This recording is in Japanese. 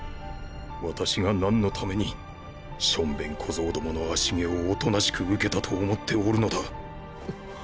私が何のためにしょんべん小僧どもの足蹴をおとなしく受けたと思っておるのだ。